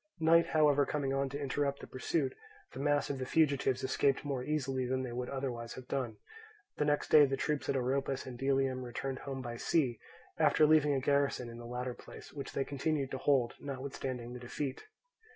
Night however coming on to interrupt the pursuit, the mass of the fugitives escaped more easily than they would otherwise have done. The next day the troops at Oropus and Delium returned home by sea, after leaving a garrison in the latter place, which they continued to hold notwithstanding the defeat.